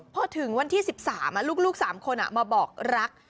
พอถึงวันที่๑๓ลูก๓คนมาบอกรัก